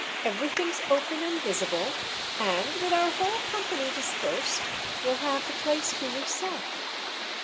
Everything's open and visible, and, with our whole company dispersed, you'll have the place to yourself."